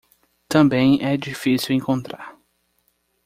Também é difícil encontrar